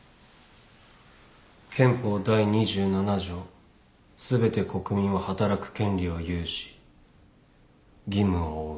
憲法第２７条すべて国民は働く権利を有し義務を負う。